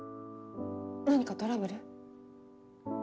何かトラブル？